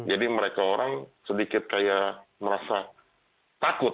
jadi mereka orang sedikit kayak merasa takut